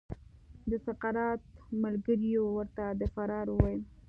د سقراط ملګریو ورته د فرار وویل.